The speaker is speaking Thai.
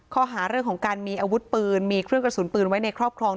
ข้อหาร่วมเรื่องของการมีกระสุนปืนไว้ในครอกคลอง